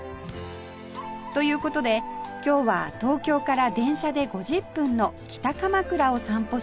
という事で今日は東京から電車で５０分の北鎌倉を散歩します